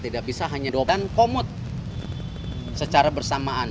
tidak bisa hanya beban komut secara bersamaan